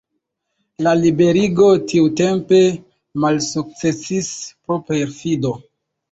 La liberiĝo tiutempe malsukcesis pro perfido.